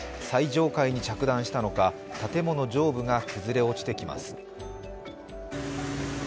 最上階に着弾したのか、建物上部が崩れ落ちてきます。